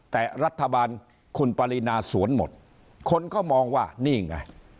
แต่รัฐบาลคุณปรินาสวนหมดคนก็มองว่านี่ไง